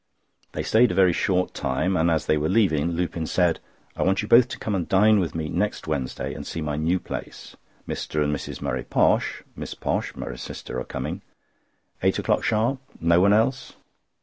They stayed a very short time, and as they were leaving, Lupin said: "I want you both to come and dine with me next Wednesday, and see my new place. Mr. and Mrs. Murray Posh, Miss Posh (Murray's sister) are coming. Eight o'clock sharp. No one else."